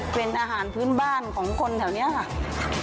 เป็นอาหารพื้นบ้านของคนแถวนี้ค่ะ